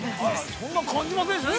◆そんな感じませんでしたね。